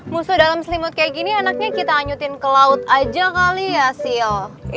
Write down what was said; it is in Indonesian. musuh dalam selimut kayak gini anaknya kita anyutin ke laut aja kali ya sih